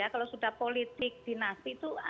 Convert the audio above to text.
kalau sudah politik dinasti itu